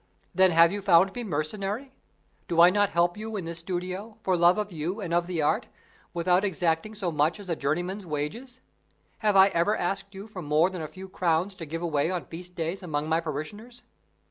Then have you found me mercenary? Do I not help you in this studio, for love of you and of the art, without exacting so much as journeyman's wages? Have I ever asked you for more than a few crowns to give away on feast days among my parishioners?